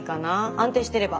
安定してれば。